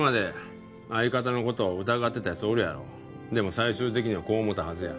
最終的にはこう思ったはずや。